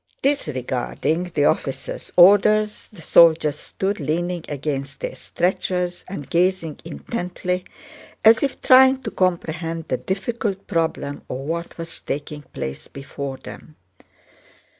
Disregarding the officers' orders, the soldiers stood leaning against their stretchers and gazing intently, as if trying to comprehend the difficult problem of what was taking place before them.